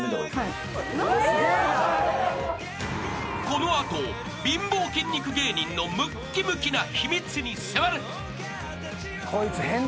［この後貧乏筋肉芸人のむっきむきな秘密に迫る］